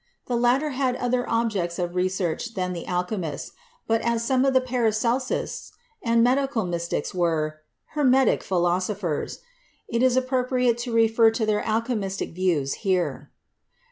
The latter had other objects of research than the alchemists, but as some of the Para celsists and Medical Mystics were "hermetic philoso phers," it is appropriate to refer to their alchemistic views here.